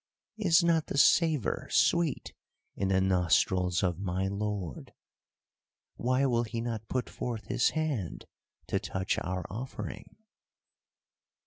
Is not the savour sweet in the nostrils of my lord? Why will he not put forth his hand to touch our offering?"